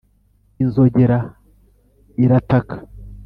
inzogera irataka,